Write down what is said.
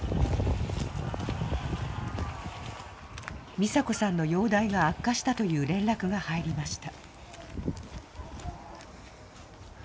ミサ子さんの容体が悪化したという連絡が入りました。